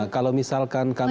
kalau misalkan kami